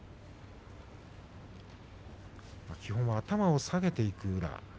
基本は頭を下げていく宇良。